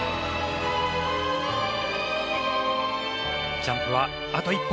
ジャンプはあと１本。